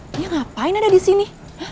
dia ngapain ada disini